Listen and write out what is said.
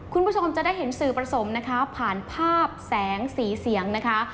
คุณผู้ชมจะได้เห็นสื่อผสมนะคะผ่านภาพแสงสีเสียงนะคะ